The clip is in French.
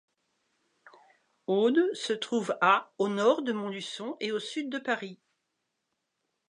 Audes se trouve à au nord de Montluçon et au sud de Paris.